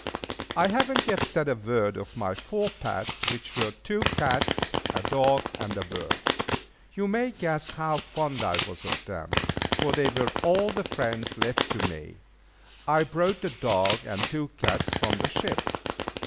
I have not yet said a word of my four pets, which were two cats, a dog, and a bird. You may guess how fond I was of them, for they were all the friends left to me. I brought the dog and two cats from the ship.